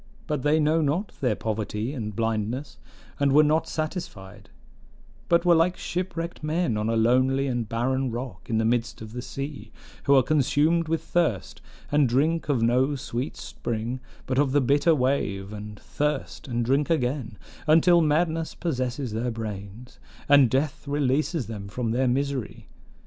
But they know not their poverty and blindness, and were not satisfied; but were like shipwrecked men on a lonely and barren rock in the midst of the sea, who are consumed with thirst, and drink of no sweet spring, but of the bitter wave, and thirst, and drink again, until madness possesses their brains, and death releases them from their misery.